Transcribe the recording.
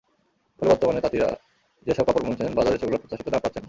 ফলে বর্তমানে তাঁতিরা যেসব কাপড় বুনছেন, বাজারে সেগুলোর প্রত্যাশিত দাম পাচ্ছেন না।